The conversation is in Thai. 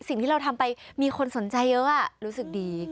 สิ่งที่เราทำไปมีคนสนใจเยอะรู้สึกดี